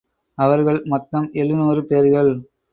அவர்கள் மொத்தம் எழுநூறு பேர்கள்.